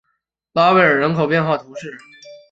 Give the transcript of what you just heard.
维拉尔人口变化图示